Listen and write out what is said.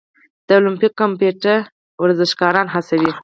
د المپیک کمیټه ورزشکاران هڅوي؟